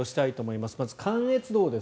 まず関越道です。